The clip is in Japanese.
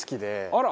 あら！